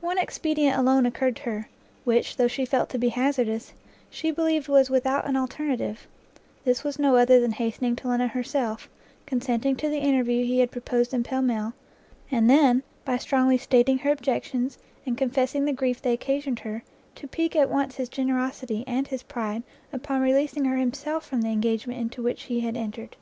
One expedient alone occurred to her, which, though she felt to be hazardous, she believed was without an alternative; this was no other than hastening to London herself, consenting to the interview he had proposed in Pall Mall, and then, by strongly stating her objections, and confessing the grief they occasioned her, to pique at once his generosity and his pride upon releasing her himself from the engagement into which he had entered.